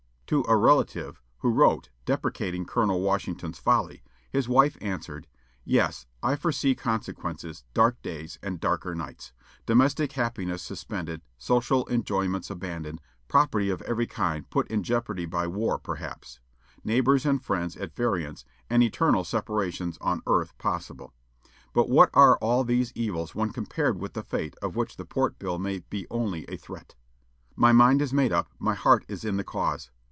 To a relative, who wrote deprecating Colonel Washington's "folly," his wife answered: "Yes; I foresee consequences dark days, and darker nights; domestic happiness suspended; social enjoyments abandoned; property of every kind put in jeopardy by war, perhaps; neighbors and friends at variance, and eternal separations on earth possible. But what are all these evils when compared with the fate of which the Port Bill may be only a threat? My mind is made up, my heart is in the cause.